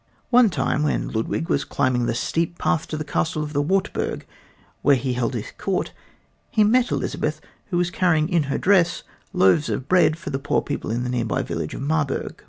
One time, when Ludwig was climbing the steep path to the castle of the Wartburg where he held his court, he met Elizabeth, who was carrying in her dress loaves of bread for the poor people in the nearby village of Marburg.